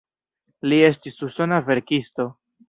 Li estis usona verkisto.